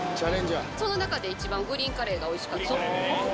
その中で一番、グリーンカレーがおいしかった。